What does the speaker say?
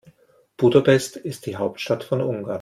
Budapest ist die Hauptstadt von Ungarn.